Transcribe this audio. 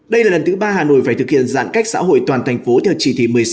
đây là lần thứ ba hà nội phải thực hiện giãn cách xã hội toàn thành phố theo chỉ thị một mươi sáu